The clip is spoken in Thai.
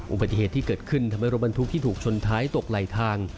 อุบัติเหตุที่เกิดขึ้นทำให้รถบรรทุกที่ถูกชนท้ายตกไหลทาง